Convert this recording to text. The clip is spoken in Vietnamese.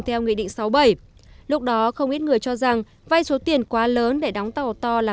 theo nghị định sáu bảy lúc đó không ít người cho rằng vai số tiền quá lớn để đóng tàu to làm